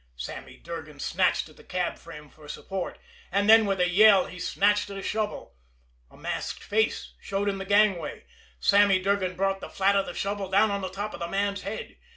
Sammy Durgan snatched at the cab frame for support and then with a yell he snatched at a shovel. A masked face showed in the gangway. Sammy Durgan brought the flat of the shovel down on the top of the man's head.